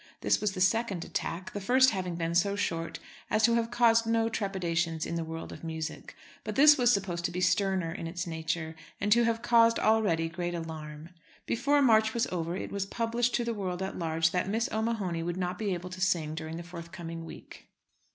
This was the second attack, the first having been so short as to have caused no trepidations in the world of music; but this was supposed to be sterner in its nature, and to have caused already great alarm. Before March was over it was published to the world at large that Miss O'Mahony would not be able to sing during the forthcoming week.